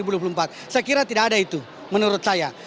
saya kira tidak ada itu menurut saya